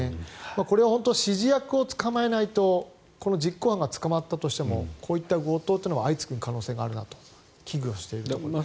これは指示役を捕まえないと実行犯が捕まったとしてもこういった強盗というのは相次ぐ可能性があるなと危惧をしています。